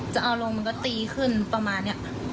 จะเอาลงมันก็ตีขึ้นประมาณนี้